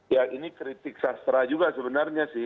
ya ini kritik sastra juga sebenarnya sih